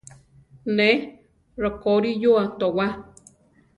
Ne rokorí yua towá.